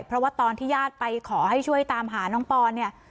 เพราะว่าตอนที่ญาติไปขอให้ช่วยตามหาน้องปอนเนี่ย